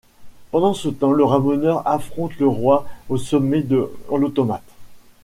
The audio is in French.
Pendant ce temps, le Ramoneur affronte le Roi au sommet de l'Automate.